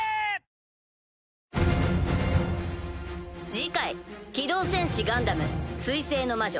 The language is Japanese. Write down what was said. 次回「機動戦士ガンダム水星の魔女」